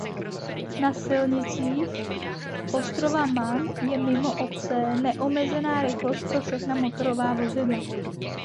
Na silnicích ostrova Man je mimo obce neomezená rychlost pro všechna motorová vozidla.